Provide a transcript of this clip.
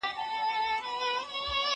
زه انځور ليدلی دی؟!